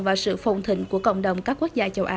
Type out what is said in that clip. và sự phồn thịnh của cộng đồng các quốc gia châu á